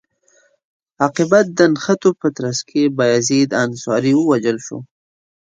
عاقبت د نښتو په ترڅ کې بایزید انصاري ووژل شو.